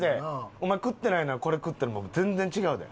お前食ってないならこれ食ったらもう全然違うで。